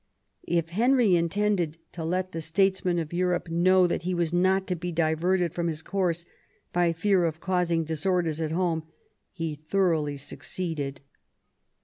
If Henry intended to let the statesmen of Europe know that he was not to be diverted from his course by fear of causing disorders at home he thoroughly succeeded.